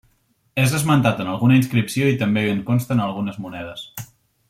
És esmentat en alguna inscripció i també en consten algunes monedes.